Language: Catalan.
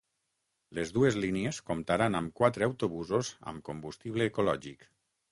Les dues línies comptaran amb quatre autobusos amb combustible ecològic.